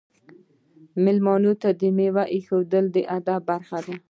میلمنو ته میوه ایښودل د ادب برخه ده.